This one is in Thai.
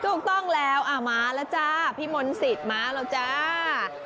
ถูกต้องแล้วมาแล้วจ้าพี่มนต์สิทธิ์มาแล้วจ้า